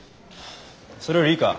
それよりいいか？